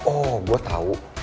oh gue tau